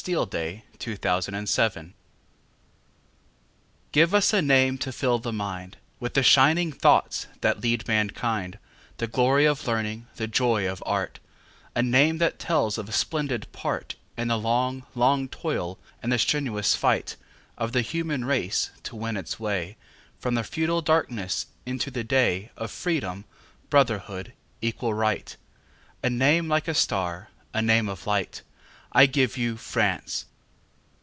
Henry van Dyke The Name of France GIVE us a name to fill the mindWith the shining thoughts that lead mankind, The glory of learning, the joy of art,—A name that tells of a splendid partIn the long, long toil and the strenuous fightOf the human race to win its wayFrom the feudal darkness into the dayOf Freedom, Brotherhood, Equal Right,—A name like a star, a name of light.I give you France!